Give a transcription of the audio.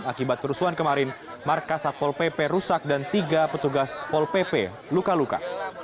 akibat kerusuhan kemarin markas satpol pp rusak dan tiga petugas pol pp luka luka